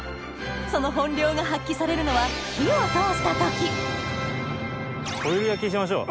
その本領が発揮されるのは火を通した時ホイル焼きにしましょう。